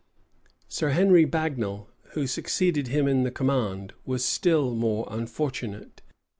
Sir Henry Bagnal, who succeeded him in the command, was still more unfortunate.